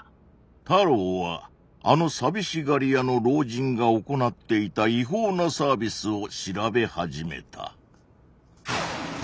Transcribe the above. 太郎はあの寂しがり屋の老人が行っていた違法なサービスを調べ始めた。